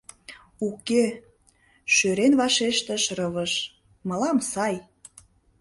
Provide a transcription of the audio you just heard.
— Уке, — шӧрен вашештыш Рывыж, — мылам сай.